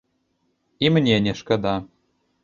І мне не шкада.